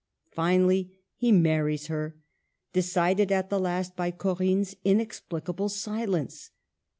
Finally he marries her, decided at the last by Corinne's inexplicable silence.